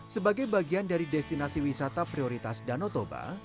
sebagai bagian dari destinasi wisata prioritas danau toba